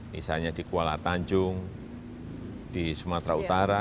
misalnya di kuala tanjung di sumatera utara